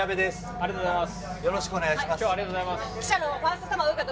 ありがとうございます。